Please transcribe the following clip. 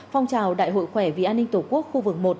phong trào đại hội khỏe vì an ninh tổ quốc khu vực một